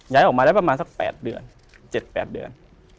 ย้ายออกมาได้ประมาณสัก๘เดือน๗๘เดือน